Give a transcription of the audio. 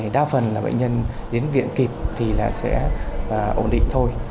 đa phần là bệnh nhân đến viện kịp thì sẽ ổn định thôi